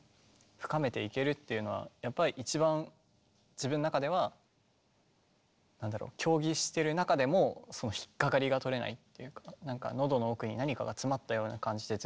深めていけるっていうのはやっぱり一番自分の中ではなんだろう競技してる中でもその引っ掛かりが取れないっていうか喉の奥に何かが詰まったような感じでずっと滑ってましたし。